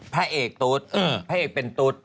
พระเอกตุ๊ดพระเอกเป็นตุ๊ด